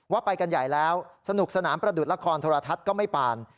ไปกันใหญ่แล้วสนุกสนามประดุษละครโทรทัศน์ก็ไม่ปาน